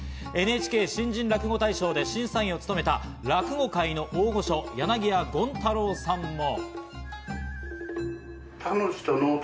ＮＨＫ新人落語大賞で審査員を務めた落語界の大御所・柳家権太楼さんも。